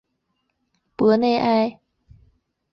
博内埃。